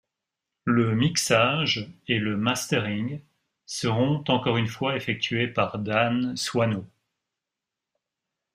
Le mixage et le mastering seront encore une fois effectué par Dan Swano.